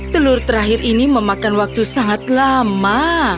telur terakhir ini memakan waktu sangat lama